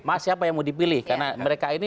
mas siapa yang mau dipilih karena mereka ini